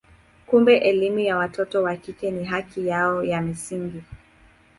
Kumbe elimu kwa watoto wa kike ni haki yao ya msingi.